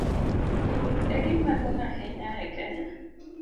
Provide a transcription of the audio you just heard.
Pur e gima duong' ahinya e Kenya.